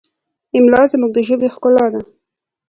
املا زموږ د ژبې ښکلا ده.